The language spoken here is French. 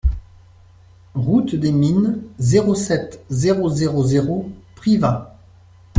Route des Mines, zéro sept, zéro zéro zéro Privas